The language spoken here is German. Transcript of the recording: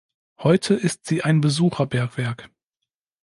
Heute ist sie ein Besucherbergwerk.